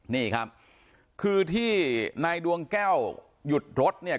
นี่ครับคือที่นายดวงแก้วหยุดรถเนี่ย